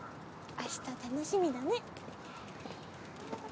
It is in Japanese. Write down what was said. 明日楽しみだね。